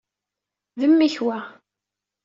D mmi-k, wa.